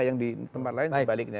yang di tempat lain sebaliknya